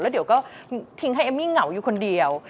เดี๋ยวก็ทิ้งให้เอมมี่เหงาอยู่คนเดียว